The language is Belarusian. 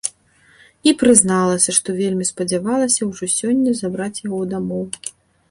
І прызналася, што вельмі спадзявалася ўжо сёння забраць яго дамоў.